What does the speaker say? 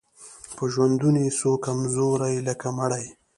په ژوندوني سو کمزوری لکه مړی